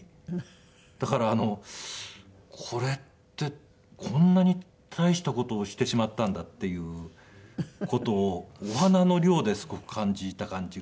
だからこれってこんなに大した事をしてしまったんだっていう事をお花の量ですごく感じた感じがしましたね。